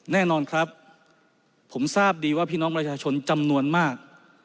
แน่นอนครับผมทราบดีว่าพี่น้องประชาชนจำนวนมาก